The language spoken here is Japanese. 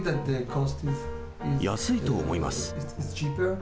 安いと思います。